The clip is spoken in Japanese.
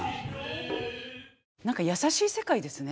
何か優しい世界ですね。